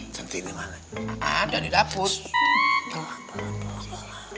cantiknya ada di dapur